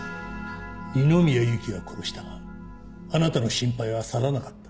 二宮ゆきは殺したがあなたの心配は去らなかった。